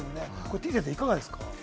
てぃ先生、いかがですか？